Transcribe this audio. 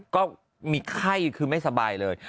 ก็มีไข้คือไม่สบายเลย